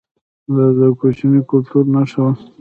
دا د کوچي کلتور نښه وه